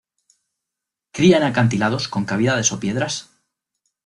Cría en acantilados con cavidades o piedras.